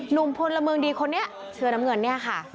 หนุ่มพลเมืองดีคนนี้เชือน้ำเหนือนนี่ค่ะ